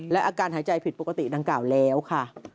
และอาการหายใจผิดปกติดังกล่าวแล้วค่ะ